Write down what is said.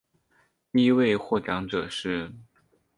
第一位获奖者是。